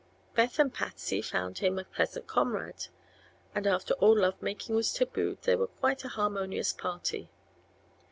Beth and Patsy found him a pleasant comrade, and after all love making was tabooed they were quite a harmonious party.